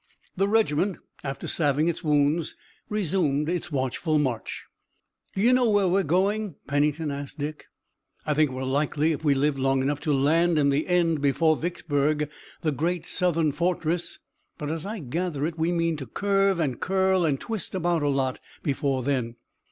The regiment after salving its wounds resumed its watchful march. "Do you know where we're going?" Pennington asked Dick. "I think we're likely if we live long enough to land in the end before Vicksburg, the great Southern fortress, but as I gather it we mean to curve and curl and twist about a lot before then.